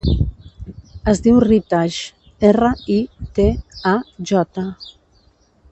Es diu Ritaj: erra, i, te, a, jota.